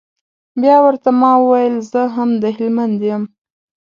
بيا ورته ما وويل زه هم د هلمند يم.